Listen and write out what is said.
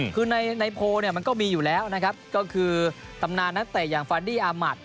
คือในโพลเนี่ยมันก็มีอยู่แล้วนะครับก็คือตำนานนักเตะอย่างฟาดี้อามัติ